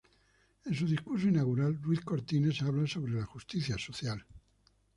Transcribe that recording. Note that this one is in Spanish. En su discurso inaugural, Ruiz Cortines habla sobre la justicia social.